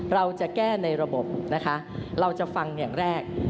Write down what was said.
เราจะแก้ในระบบนะคะเราจะฟังอย่างแรก